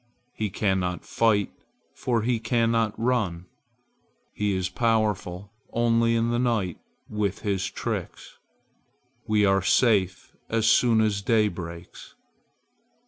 He cannot fight, for he cannot run. He is powerful only in the night with his tricks. We are safe as soon as day breaks."